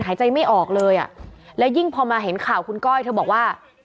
หายใจไม่ออกเลยอ่ะแล้วยิ่งพอมาเห็นข่าวคุณก้อยเธอบอกว่า